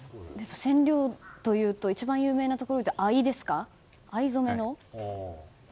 染料というと一番有名なところで藍染めの？